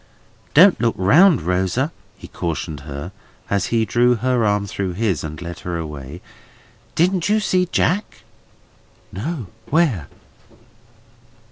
"Don't look round, Rosa," he cautioned her, as he drew her arm through his, and led her away. "Didn't you see Jack?" "No! Where?"